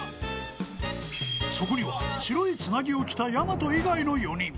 ［そこには白いつなぎを着たやまと以外の４人］